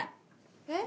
えっ？